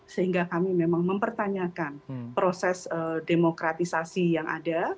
sehingga kami memang mempertanyakan proses demokratisasi yang ada